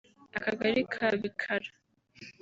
Akagali ka Bikara